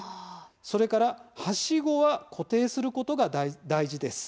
それから、はしごは固定することが大事です。